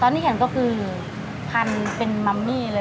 ตอนนี้เห็นก็คือพันเป็นมัมมี่เลย